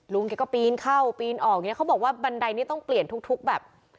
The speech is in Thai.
ลุงแกก็ปีนเข้าปีนออกอย่างนี้เขาบอกว่าบันไดนี้ต้องเปลี่ยนทุกแบบ